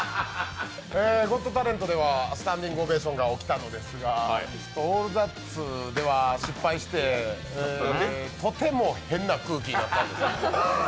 「ゴット・タレント」ではスタンディングオベーションが起きたのですが「オールザッツ」では失敗してとても変な空気になったんです。